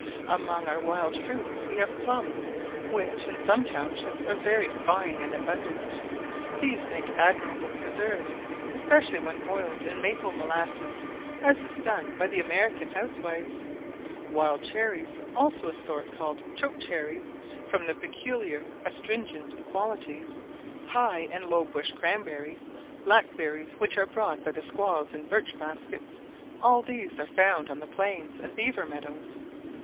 Among our wild fruits we have plums, which, in some townships, are very fine and abundant; these make admirable preserves, especially when boiled in maple molasses, as is done by the American housewives. Wild cherries, also a sort called choke cherries, from their peculiar astringent qualities, high and low bush cranberries, blackberries, which are brought by the Squaws in birch baskets, all these are found on the plains and beaver meadows.